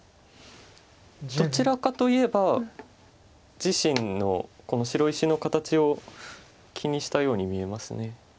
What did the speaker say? どちらかといえば自身のこの白石の形を気にしたように見えます。